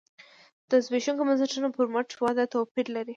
د زبېښونکو بنسټونو پر مټ وده توپیر لري.